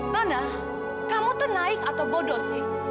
nana kamu tuh naik atau bodoh sih